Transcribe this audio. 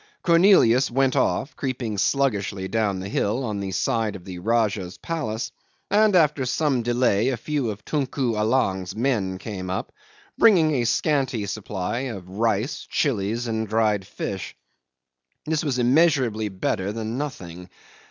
Cornelius went off, creeping sluggishly down the hill on the side of the Rajah's palace, and after some delay a few of Tunku Allang's men came up, bringing a scanty supply of rice, chillies, and dried fish. This was immeasurably better than nothing.